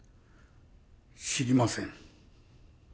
知りません。